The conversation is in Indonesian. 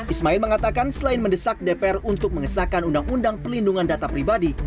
ismail mengatakan selain mendesak dpr untuk mengesahkan undang undang pelindungan data pribadi